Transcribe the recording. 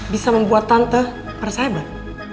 bisa membuat tante persebat